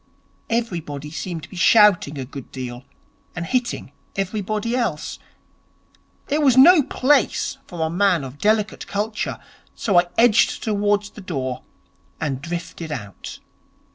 Everybody seemed to be shouting a good deal and hitting everybody else. It was no place for a man of delicate culture, so I edged towards the door, and drifted out.